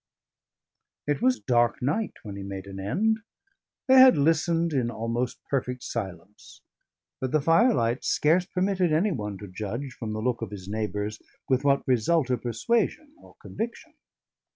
It was dark night when he made an end; they had listened in almost perfect silence; but the firelight scarce permitted any one to judge, from the look of his neighbours, with what result of persuasion or conviction.